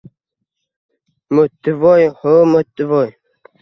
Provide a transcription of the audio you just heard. – Mo‘ttivoy! Ho‘, Mo‘ttivoy!